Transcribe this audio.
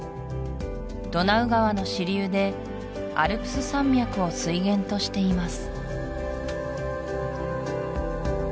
ドナウ川の支流でアルプス山脈を水源としています